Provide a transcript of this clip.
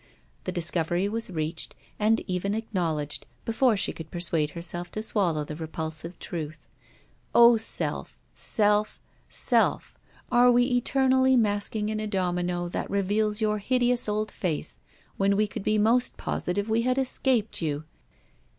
The discovery was reached, and even acknowledged, before she could persuade herself to swallow the repulsive truth. O self! self! self! are we eternally masking in a domino that reveals your hideous old face when we could be most positive we had escaped you?